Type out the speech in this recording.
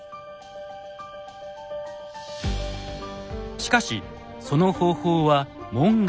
しかしその方法は門外不出。